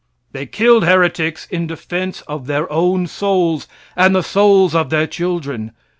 They killed heretics in defense of their own souls and the souls of their children.